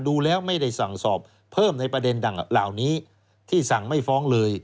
ดูแล้วไม่ได้สั่งสอบเพิ่มในประเด็นดังเหล่านี้ที่สั่งไม่ฟ้องเลย